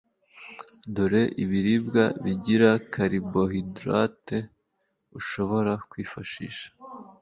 Dore ibiribwa bigira caribohidrate ushobora kwifashisha: